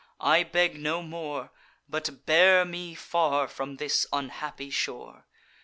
I beg no more; But bear me far from this unhappy shore.